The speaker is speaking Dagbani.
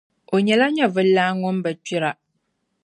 O nyɛla nyɛvulilana Ŋun bi kpira.